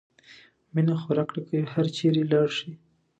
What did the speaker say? مینه خوره کړه که هر چېرې لاړ شې.